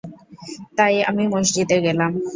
তাই আমি মসজিদে গেলাম।